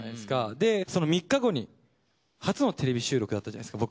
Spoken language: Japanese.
でその３日後に初のテレビ収録だったじゃないですか。